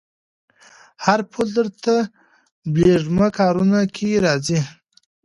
هر پل درته بلېږمه کاروانه که راځې